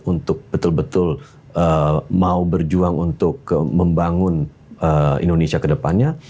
untuk betul betul mau berjuang untuk membangun indonesia kedepannya